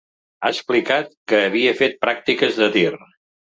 Ha explicat que havia fet pràctiques de tir.